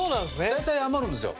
大体余るんですよ